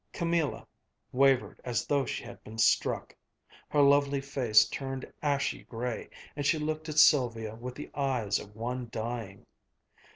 Camilla wavered as though she had been struck. Her lovely face turned ashy gray, and she looked at Sylvia with the eyes of one dying.